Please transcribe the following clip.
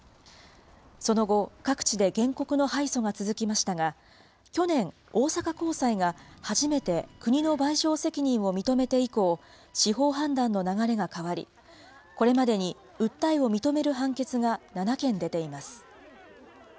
その後、各地で原告の敗訴が続きましたが、去年、大阪高裁が初めて国の賠償責任を認めて以降、司法判断の流れが変わり、これまでに訴えを認める判決が７件出ています。